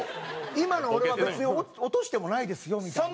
今の俺は別に落としてもないですよみたいな。